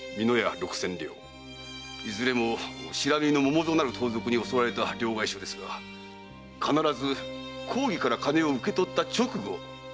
いずれも「不知火の百蔵」なる盗賊に襲われた両替商ですが必ず公儀から金を受け取った直後に襲われております。